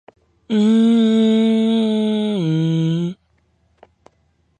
Stewart passed Lauda on lap two, and charged after Peterson.